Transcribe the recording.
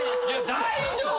大丈夫や。